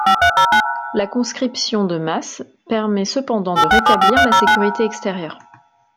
La conscription de masse permet cependant de rétablir la sécurité extérieure.